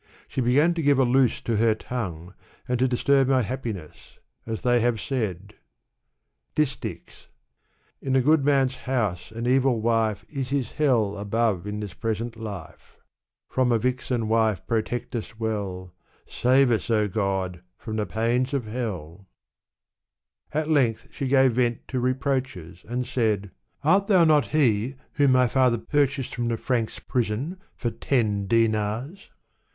She began to give a loose to her tongue, and to disturb my happiness, as they have said, Distichs. '' In a good man's house an evil wife Is his hell above in this present life. From a vixen wife protect us well. Save uSy O God! from the pains of hell^ At length she gave vent to reproaches, and said, '' Art thou not he whom my father purchased fix)m the Franks* prison for ten dinars?"